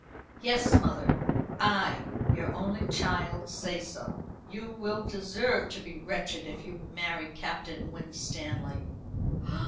Yes, mother, I, your only child, say so. You will deserve to be wretched if you marry Captain Winstanley."